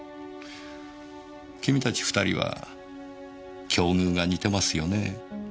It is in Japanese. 君たち２人は境遇が似てますよね。